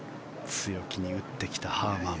強気に打ってきたハーマン。